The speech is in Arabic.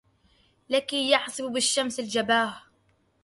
لكي يعصب بالشمس الجباهْ